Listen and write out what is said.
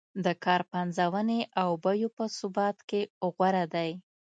د کار پنځونې او بیو په ثبات کې غوره دی.